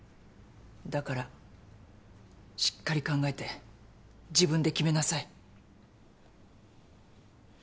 だからしっかり考えて自分で決めなさい。